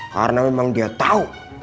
karena memang dia tau